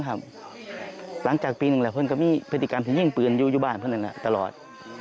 หลังจากปีหนึ่งพี่รับพฤติกรรมที่ยิงปืนอยู่บ้านตลอด